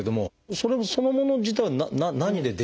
それそのもの自体は何で出来ているんです？